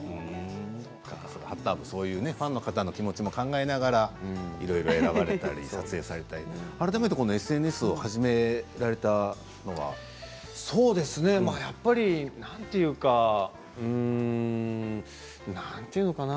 ハッターもファンの方の気持ちも考えながらいろいろ選ばれたり撮影されたり改めてＳＮＳを始められたのは？なんていうかなんていうのかな